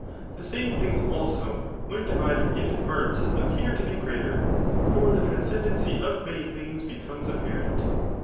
The same things, aiso^ when difsded into parts appear to be greater ; £dr the tr ans oendency of many things becomes apparent.